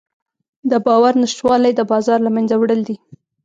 د باور نشتوالی د بازار له منځه وړل دي.